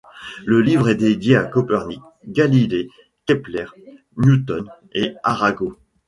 Le livre est dédié à Copernic, Galilée, Kepler, Newton et Arago.